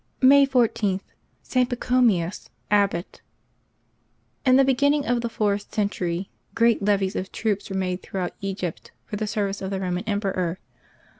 May 14.— ST. PACHOMIUS, Abbot. XN the beginning of the fourth century great levies of troops were made throughout Egypt for the service of the Roman emperor.